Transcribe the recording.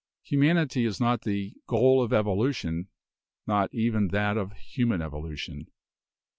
Humanity is not the 'goal of evolution,' not even that of human evolution.